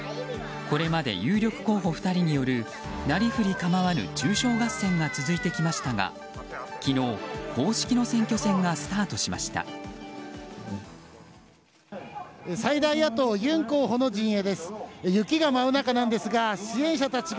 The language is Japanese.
これまで有力候補２人によるなりふり構わぬ中傷合戦が続いてきましたが昨日、公式の選挙戦がスタートしました。